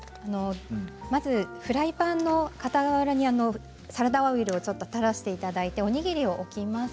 まずフライパンのかたわらにサラダ油を垂らしていただいておにぎりを載せます。